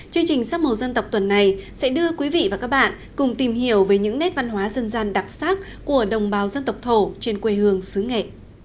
chương trình sắc màu dân tộc tuần này sẽ đưa quý vị và các bạn cùng tìm hiểu về những nét văn hóa dân gian đặc sắc của đồng bào dân tộc thổ trên quê hương xứ nghệ